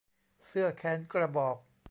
เสื้อแขนกระบอก